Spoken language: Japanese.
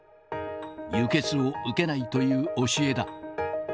輸血を受けないという教えだ。